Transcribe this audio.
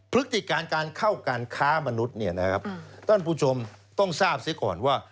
พฤติการการเข้าการค้ามนุษย์ท่านผู้ชมต้องทราบซิก่อนว่า